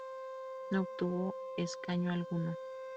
No obtuvo escaño alguno.